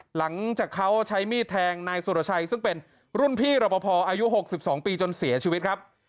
หลังจากเขาใช้มีดแทงนายสุรชัยซึ่งเป็นรุ่นพี่รอปภอายุ๖๒ปีจนเสียชีวิตครับ